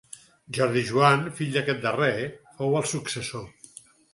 Jordi Joan, fill d'aquest darrer, fou el successor.